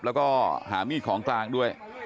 แล้วก็หามีดของกลางด้วย